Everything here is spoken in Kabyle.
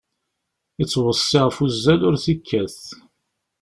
Ittweṣṣi ɣef wuzzal ur t-ikkat.